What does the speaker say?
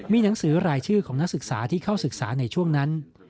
มีหนังสือรายชื่อของนักศึกษาที่เข้าศึกษาในช่วงนั้น